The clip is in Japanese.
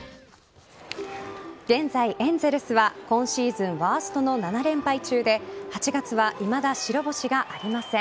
現在、エンゼルスは今シーズンワーストの７連敗中で８月は、いまだ白星がありません。